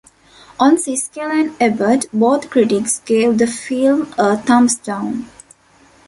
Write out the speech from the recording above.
On Siskel and Ebert, both critics gave the film a thumbs down.